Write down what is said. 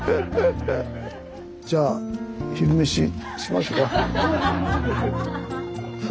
じゃあ昼飯しますか。